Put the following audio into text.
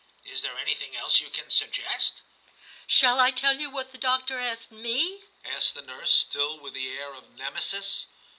Is there anything else you can suggest ?'* Shall I tell you what the doctor asked XI TIM 249 me ?' asked the nurse, still with the air of Nemesis.